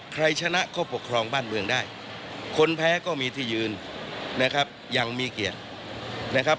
ใครชนะก็ปกครองบ้านเมืองได้คนแพ้ก็มีที่ยืนนะครับยังมีเกียรตินะครับ